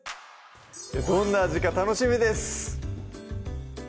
どんな味か楽しみです！